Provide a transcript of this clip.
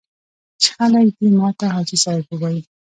چې خلک دې ماته حاجي صاحب ووایي.